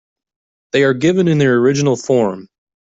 They are given in their original form.